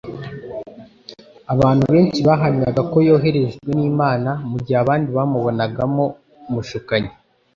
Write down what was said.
Abantu benshi bahamyaga ko yoherejwe n'Imana, mu gihe abandi bamubonagamo umushukanyi.